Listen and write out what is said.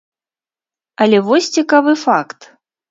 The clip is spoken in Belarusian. Але вось цікавы факт.